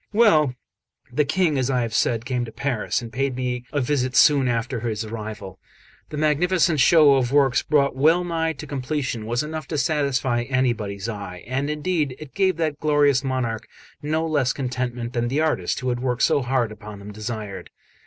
Well, the King, as I have said, came to Paris, and paid me a visit soon after his arrival. The magnificent show of works brought well nigh to completion was enough to satisfy anybody's eye; and indeed it gave that glorious monarch no less contentment than the artist who had worked so hard upon them desired.